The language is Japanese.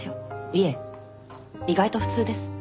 いえ意外と普通です。